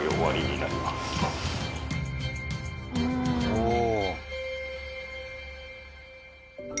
おお。